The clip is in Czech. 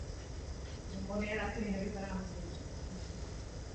Tento prefix může označovat i australské námořní základny.